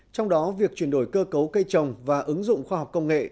trong đó việc chuyển đổi cơ cấu cây trồng và ứng dụng khoa học công nghệ